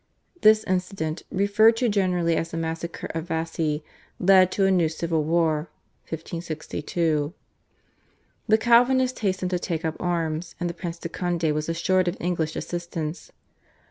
This incident, referred to generally as the massacre of Vassy, led to a new civil war (1562). The Calvinists hastened to take up arms, and the Prince de Conde was assured of English assistance.